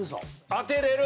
当てれる？